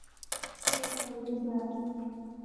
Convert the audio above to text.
اے ہک تاریخی جا اے۔